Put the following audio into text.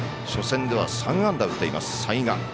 初戦では３安打打っています